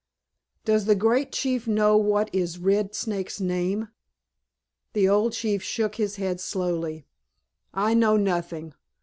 "Does the Great Chief know what is Red Snake's name?" The old chief shook his head slowly. "I know nothing.